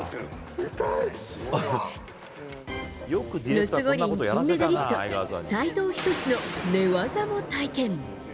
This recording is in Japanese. ロス五輪金メダリスト斉藤仁の寝技も体験。